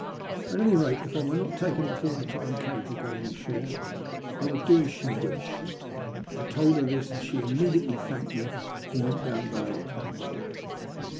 At any rate, if I were not taken before the time came for going ashore, I would do as she wished. I told her this, and she immediately thanked me and went down below again.